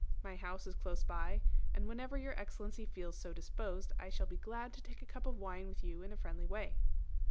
My house is close by, and whenever Your Excellency feels so disposed I shall be glad to take a cup of wine with you in a friendly way."